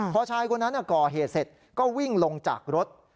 พอชายคนนั้นก่อเหตุเสร็จก็วิ่งลงจากรถ